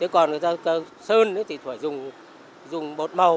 còn sơn thì phải dùng bột màu